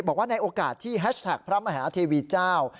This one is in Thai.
บอกว่าในโอกาสที่แฮชแท็กพระมหาเทวีเจ้า